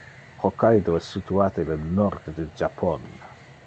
Hokkaido es situate in le nord de Japon.